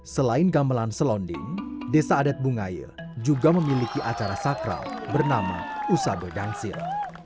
selain gamelan selonding desa adat bungayil juga memiliki acara sakral bernama usabe dangsil